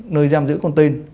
nơi giam giữ con tin